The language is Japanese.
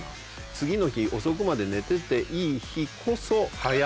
次の日遅くまで寝てていい日こそ早めに寝る。